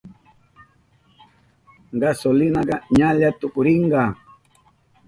Gasolinaka ñalla tukurinka.